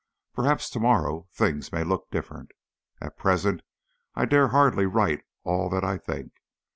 Perhaps to morrow things may look different. At present I dare hardly write all that I think.